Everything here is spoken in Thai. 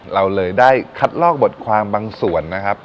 เราเลยได้คัดลอกบทความบางส่วนนะครับ